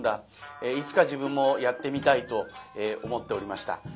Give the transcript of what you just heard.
いつか自分もやってみたい」と思っておりました。